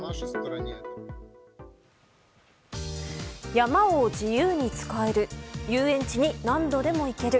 山を自由に使える遊園地に何度でも行ける。